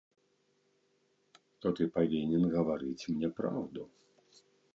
То ты павінен гаварыць мне праўду.